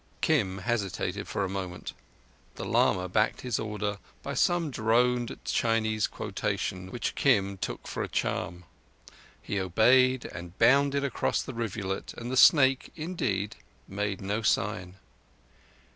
Kim hesitated for a moment. The lama backed his order by some droned Chinese quotation which Kim took for a charm. He obeyed and bounded across the rivulet, and the snake, indeed, made no sign.